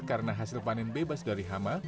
karena hasil panen bebas dari hama